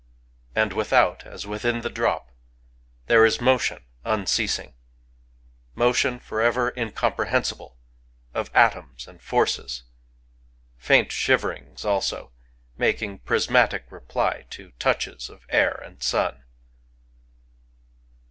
And without as within the drop there is motion unceasing, — motion forever incomprehensible of atoms and forces, — faint shiverings also, making prismatic reply to touches of air and sun.